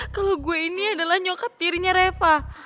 kalo gue ini adalah nyokap dirinya reva